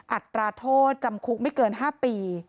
อัตราโทษจำคุกไม่เกิน๕ปี